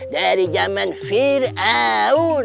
dari zaman fir'aun